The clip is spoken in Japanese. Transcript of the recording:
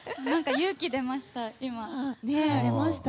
勇気出ました。